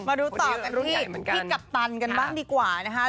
มาดูต่อกันที่พี่กัปตันกันบ้างดีกว่านะคะ